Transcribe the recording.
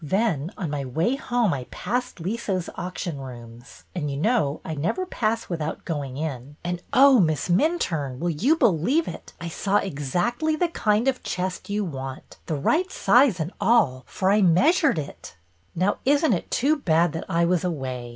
Then on my way home I passed Liso's auction rooms, — and, you know, I never pass without going in, — and, 296 BETTY BAIRD'S VENTURES oh, Miss Minturne, will you believe it, I saw exactly the kind of chest you want^ the right size and all, for I measured it !" ''Now, isn't it too bad that I was away!